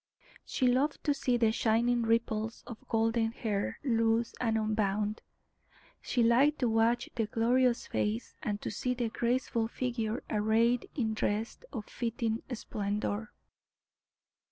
She loved to see the shining ripples of golden hair loose and unbound, she liked to watch the glorious face, and to see the graceful figure arrayed in dress of fitting splendor.